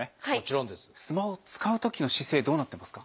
スマホ使うときの姿勢どうなってますか？